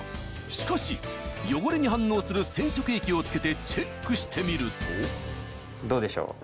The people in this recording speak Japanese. しかし汚れに反応する染色液をつけてチェックしてみるとどうでしょう？